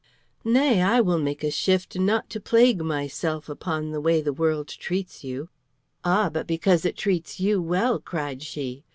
"Nay, I will make a shift not to plague myself upon the way the world treats you." "Ah, but because it treats you well," cried she.